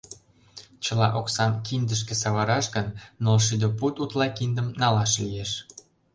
Чыла оксам киндышке савыраш гын, нылшӱдӧ пуд утла киндым налаш лиеш.